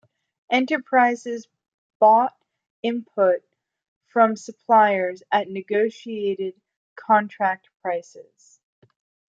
Enterprises bought input from suppliers at negotiated contract prices.